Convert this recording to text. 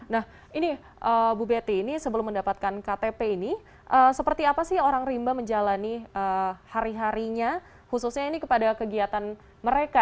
nah ini bu betty ini sebelum mendapatkan ktp ini seperti apa sih orang rimba menjalani hari harinya khususnya ini kepada kegiatan mereka